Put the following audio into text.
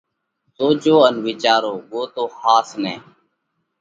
سوچو ان وِيچارو۔ ڳوتو ۿاس نئہ!